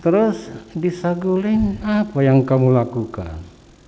terus di saguling apa yang kamu lakukan